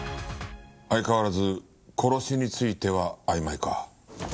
相変わらず殺しについてはあいまいか。